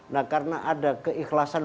nah karena ada keikhlasan